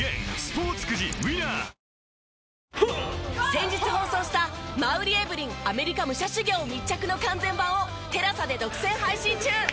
先日放送した馬瓜エブリンアメリカ武者修行密着の完全版をＴＥＬＡＳＡで独占配信中！